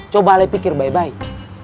coba kamu pikir baik baik